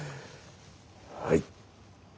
はい。